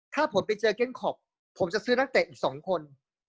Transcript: ถ้าผมไปเจอเก้นคอปผมจะซื้อนักเตะอีก๒คน